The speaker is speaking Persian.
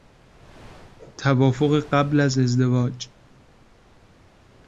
توافق قبل از ازدواج